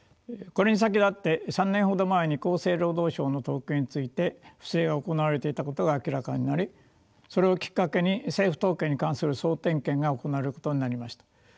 これに先立って３年ほど前に厚生労働省の統計について不正が行われていたことが明らかになりそれをきっかけに政府統計に関する総点検が行われることになりました。